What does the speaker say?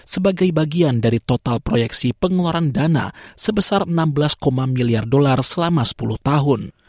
sebagai bagian dari total proyeksi pengeluaran dana sebesar enam belas miliar dolar selama sepuluh tahun